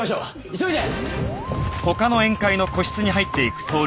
急いで！